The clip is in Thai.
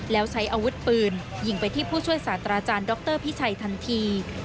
แล้วใช้อาวุธปืนยิงไปที่ผู้ช่วยศาสตราจารย์ดรพิชัยทันที